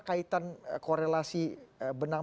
kaitan korelasi benang